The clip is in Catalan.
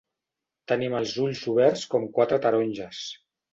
Tenim els ulls oberts com quatre taronges.